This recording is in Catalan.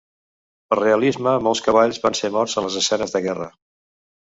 Per realisme molts cavalls van ser morts en les escenes de guerra.